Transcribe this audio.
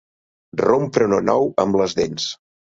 Rompre una nou amb les dents.